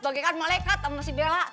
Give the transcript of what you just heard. bagikan malekat sama si bella